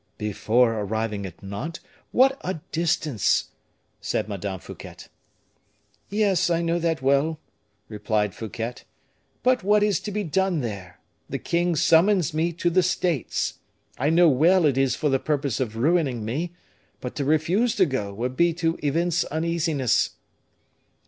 "Before arriving at Nantes, what a distance!" said Madame Fouquet. "Yes, I know that well," replied Fouquet. "But what is to be done there? The king summons me to the States. I know well it is for the purpose of ruining me; but to refuse to go would be to evince uneasiness."